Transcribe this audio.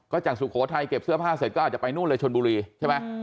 ก็จากสุโขทัยเก็บเสื้อผ้าเสร็จก็อาจจะไปนู่นเลยชนบุรีใช่ไหม